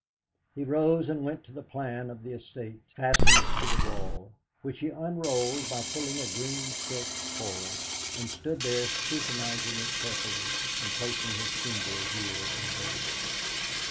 He rose and went to the plan of the estate fastened to the wall, which he unrolled by pulling a green silk cord, and stood there scrutinising it carefully and placing his finger here and there.